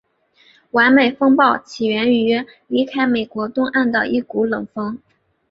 完美风暴起源于离开美国东岸的一股冷锋。